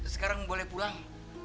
sekarang boleh pulang